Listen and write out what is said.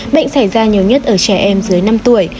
bệnh xảy ra nhiều nhất ở trẻ em dưới năm tuổi